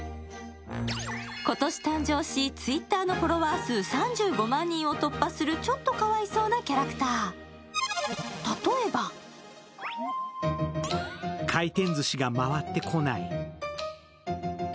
今年誕生し、Ｔｗｉｔｔｅｒのフォロワー数３５万人を突破するちょっとかわいそうなキャラクター、例えば回転ずしが回ってこない。